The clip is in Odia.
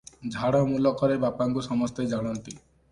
ଝାଡ଼ ମୁଲକରେ ବାପାଙ୍କୁ ସମସ୍ତେ ଜାଣନ୍ତି ।